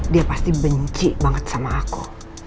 dia pasti benci banget sama aku